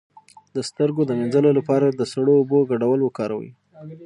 د سترګو د مینځلو لپاره د سړو اوبو ګډول وکاروئ